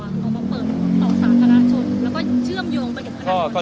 เรามาเปิดต่อศาสน์ภรรรณาชนแล้วก็เชื่อมโยงไปกัน